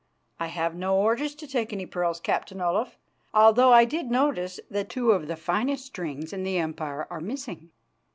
"I have no orders to take any pearls, Captain Olaf, although I did notice that two of the finest strings in the Empire are missing.